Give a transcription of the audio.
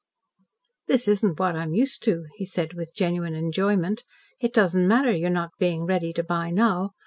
"This isn't what I'm used to," he said with genuine enjoyment. "It doesn't matter, your not being ready to buy now.